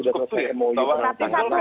tetapi sebenarnya itu cukup queer